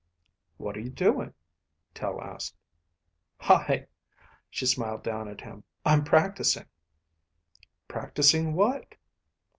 "What are you doing?" Tel asked. "Hi," she smiled down at him. "I'm practicing." "Practicing what?"